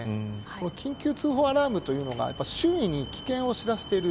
緊急通報アラームというものが周囲に危険を知らせている。